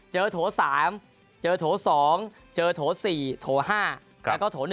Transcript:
โถ๓เจอโถ๒เจอโถ๔โถ๕แล้วก็โถ๑